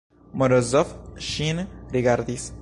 Morozov ŝin rigardis.